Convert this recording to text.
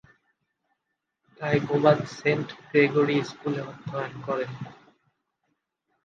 Kaykobad Saint Gregory স্কুলে অধ্যয়ন করেন।